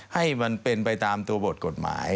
ให้มันเป็นไปตามตัวบทกฎหมาย